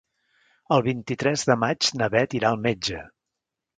El vint-i-tres de maig na Beth irà al metge.